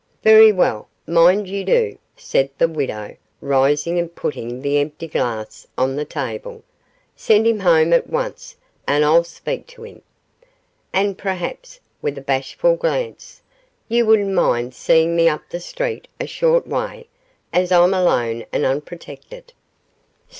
'Very well, mind you do,' said the widow, rising and putting the empty glass on the table, 'send him home at once and I'll speak to him. And perhaps,' with a bashful glance, 'you wouldn't mind seeing me up the street a short way, as I'm alone and unprotected.